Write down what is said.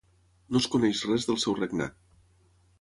No es coneix res del seu regnat.